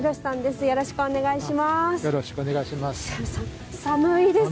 よろしくお願いします。